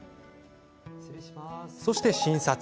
そして、診察。